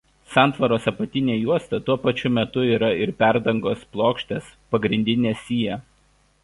Santvaros apatinė juosta tuo pačiu metu yra ir perdangos plokštės pagrindinė sija.